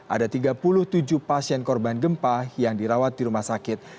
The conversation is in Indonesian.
ada tiga puluh tujuh pasien korban gempa yang dirawat di rumah sakit